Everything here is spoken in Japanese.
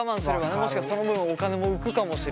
もしかしてその分お金も浮くかもしれないけど。